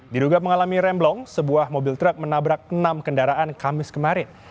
diduga mengalami remblong sebuah mobil truk menabrak enam kendaraan kamis kemarin